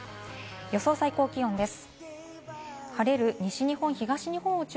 予想最高気温です。